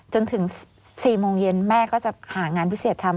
จนถึง๔โมงเย็นแม่ก็จะหางานพิเศษทำ